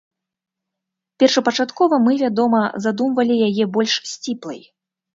Першапачаткова мы, вядома, задумвалі яе больш сціплай.